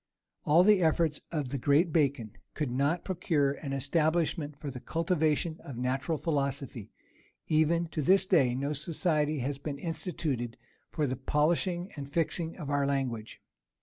All the efforts of the great Bacon could not procure an establishment for the cultivation of natural philosophy: even to this day, no society has been instituted for the polishing and fixing of our language.